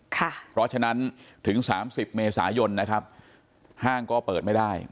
เพราะฉะนั้นถึง๓๐เมษายนนะครับห้างก็เปิดไม่ได้